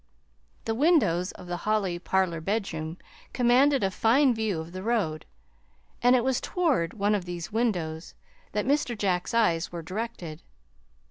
The windows of the Holly "parlor bedroom" commanded a fine view of the road, and it was toward one of these windows that Mr. Jack's eyes were directed.